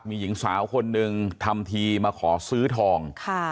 มีหญิงสาวคนหนึ่งทำทีมาขอซื้อทอง